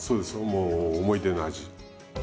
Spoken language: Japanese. もう思い出の味。